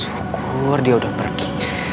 syukur dia sudah pergi